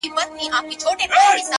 دا حال دئ، چي پر غوايي جوال دئ.